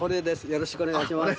よろしくお願いします。